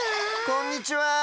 こんにちは！